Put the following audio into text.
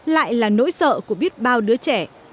lại là nỗi sợ của biết bao đứa trẻ